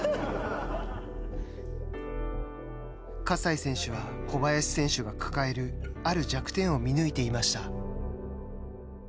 葛西選手は小林選手が抱えるある弱点を見抜いていました。